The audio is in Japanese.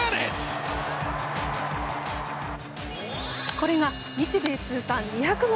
これが日米通算２００号！